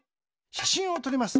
しゃしんをとります。